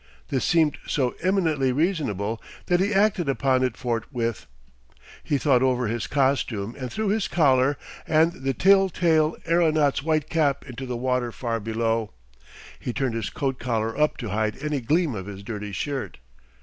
This seemed so eminently reasonable that he acted upon it forthwith. He thought over his costume and threw his collar and the tell tale aeronaut's white cap into the water far below. He turned his coat collar up to hide any gleam of his dirty shirt.